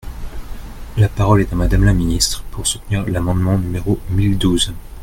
La parole est à Madame la ministre, pour soutenir l’amendement numéro mille douze.